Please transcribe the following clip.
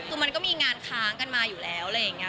คือมันก็มีงานค้างกันมาอยู่แล้วอะไรอย่างนี้